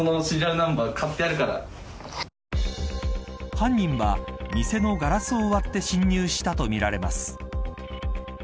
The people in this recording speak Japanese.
犯人は店のガラスを割って侵入したとみられます。